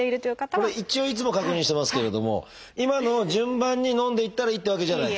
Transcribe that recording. これ一応いつも確認してますけれども今のを順番に飲んでいったらいいってわけじゃないんですよね？